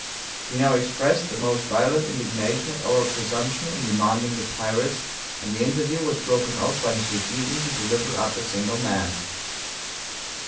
He now expressed the most violent indignation at our presumption in demanding the pirates, and the interview was broken off by his refusing to deliver up a single man."